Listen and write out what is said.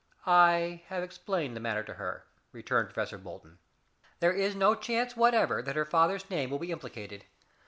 "I have explained the matter to her," returned Professor Bolton. "There is no chance whatever that her father's name will be implicated.